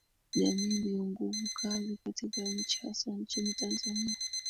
Jamii ndiyo nguvu kazi katika nchi hasa nchini Tanzania